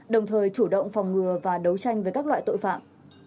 đồng thời chủ động phòng ngừa và đấu tranh với các loại tội phạm